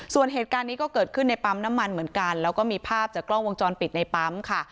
ส่วนเหตุการณ์นี้ก็เกิดขึ้นในปั๊มน้ำมันเหมือนกันแล้วก็มีภาพจากกล้องวงจรปิดในปั๊มค่ะ